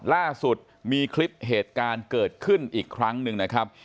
ล่าสุดมีคลิปเหตุการณ์เกิดขึ้นอีกครั้งหนึ่งนะครับ